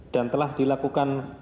dan telah dilakukan